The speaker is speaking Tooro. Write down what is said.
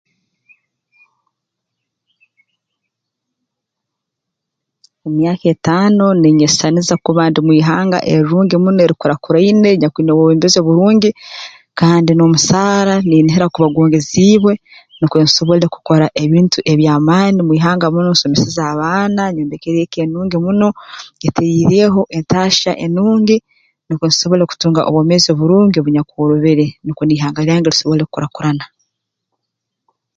Omu myaka etaano ninyesisaniza kuba ndi mu ihanga erirungi muno erikurakuraine erinyakwine obwebembezi oburungi kandi n'omusaara ninnihira kuba gwongeziibwe nukwe nsobole kukora ebintu eby'amaani mu ihanga munu nsomeseze abaana nyombekere eka enungi muno nyeteeriireho entaahya enungi nukwo tusobole kutunga obwomeezi oburungi obunyakworobere nukwo n'ihanga lyange lisobole okukurakurana